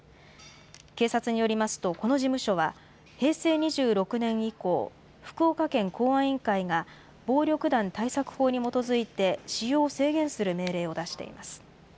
警察によりますと、この事務所は、平成２６年以降、福岡県公安委員会が、暴力団対策法に基づいて使用を制限する命令を出しています。